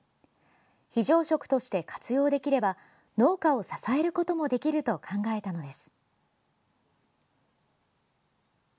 非常食として活用できれば農家を支えることもできると考えたのです。